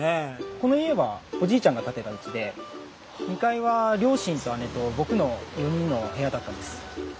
この家はおじいちゃんが建てたうちで２階は両親と姉と僕の４人の部屋だったんです。